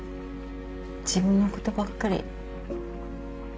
自分のことばっかり。